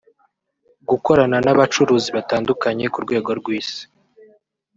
gukorana n’abacuruzi batandukanye ku rwego rw’Isi